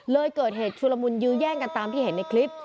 เลยเกิดเหตุชุลมุนยื้อแย่งกันตามที่เห็นในคลิป